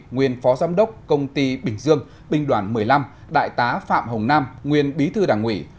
nguyên phó giám đốc công ty bình dương binh đoàn một mươi năm đại tá phạm hồng nam nguyên bí thư đảng ủy